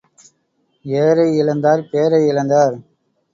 ஏரை இழந்தார் பேரை இழந்தார்.